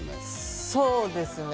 そうですね。